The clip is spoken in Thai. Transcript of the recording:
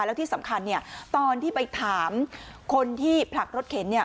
แล้วที่สำคัญตอนที่ไปถามคนที่ผลักรถเข็น